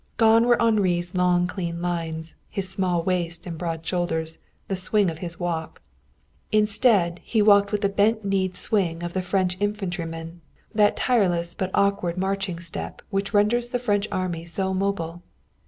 Gone were Henri's long clean lines, his small waist and broad shoulders, the swing of his walk. Instead, he walked with the bent kneed swing of the French infantryman, that tireless but awkward marching step which renders the French Army so mobile.